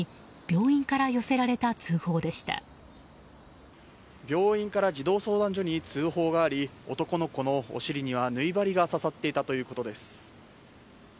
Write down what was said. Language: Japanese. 病院から児童相談所に通報があり男の子のお尻には縫い針が刺さっていたということです。